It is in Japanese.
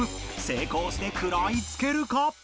成功して食らいつけるか？